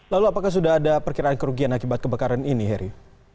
lalu apakah sudah ada perkiraan kerugian akibat kebakaran ini heri